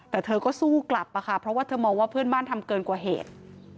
แต่เธอก็สู้กลับอะค่ะเพราะว่าเธอมองว่าเพื่อนบ้านทำเกินกว่าเหตุ